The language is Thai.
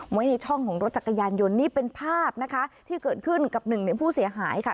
ไว้ในช่องของรถจักรยานยนต์นี่เป็นภาพนะคะที่เกิดขึ้นกับหนึ่งในผู้เสียหายค่ะ